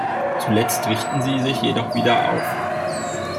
Zuletzt richten sie sich jedoch wieder auf.